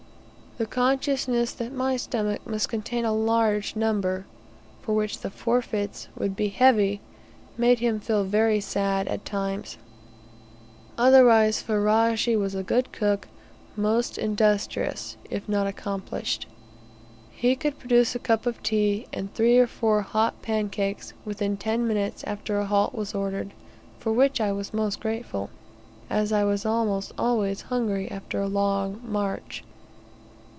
The consciousness that my stomach must contain a large number, for which the forfeits would be heavy, made him feel very sad at times. Otherwise, Ferajji was a good cook, most industrious, if not accomplished. He could produce a cup of tea, and three or four hot pancakes, within ten minutes after a halt was ordered, for which I was most grateful, as I was almost always hungry after a long march.